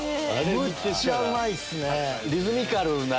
むっちゃうまいっすね！